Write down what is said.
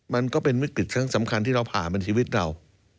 มันก็เป็นวิกฤตครั้งสำคัญที่เราผ่ามันชีวิตเรา